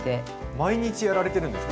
毎日やられてるんですか？